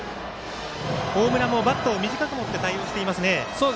大村もバットを短く持って対応していますね。